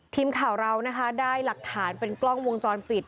ทีมข่าวเรานะคะได้หลักฐานเป็นกล้องวงจรปิด